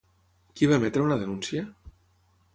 Qui va emetre una denúncia?